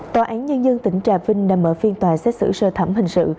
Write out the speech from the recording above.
tòa án nhân dân tỉnh trà vinh đã mở phiên tòa xét xử sơ thẩm hình sự